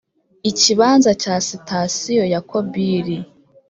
Ikibanza cya sitasiyo ya Kobili